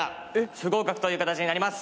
不合格という形になります。